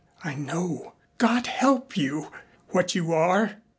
I know God help you! what you are.